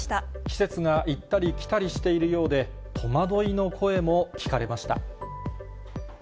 季節が行ったり来たりしているようで、戸惑いの声も聞かれました。